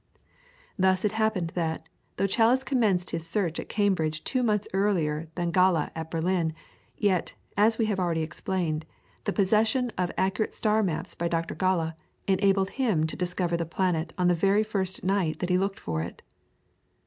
Thus it happened that, though Challis commenced his search at Cambridge two months earlier than Galle at Berlin, yet, as we have already explained, the possession of accurate star maps by Dr. Galle enabled him to discover the planet on the very first night that he looked for it.